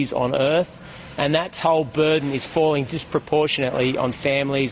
dan peraturan terburu itu menjatuhkan secara bergantung pada keluarga dan motoris